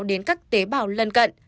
đến các tế bào lân cận